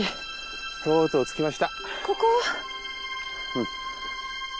うん。